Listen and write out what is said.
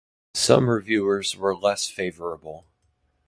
Some reviewers were less favorable.